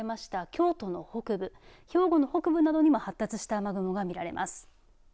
京都の北部、兵庫の北部などにも発達した雨雲が見られます。